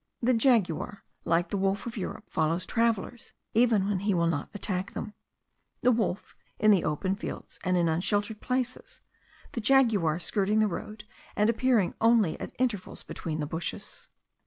The jaguar, like the wolf of Europe, follows travellers even when he will not attack them; the wolf in the open fields and in unsheltered places, the jaguar skirting the road and appearing only at intervals between the bushes.